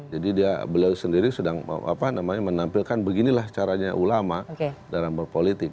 jadi beliau sendiri sedang menampilkan beginilah caranya ulama dalam berpolitik